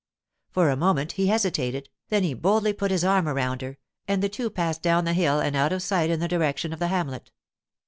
For a moment he hesitated, then he boldly put his arm around her, and the two passed down the hill and out of sight in the direction of the hamlet.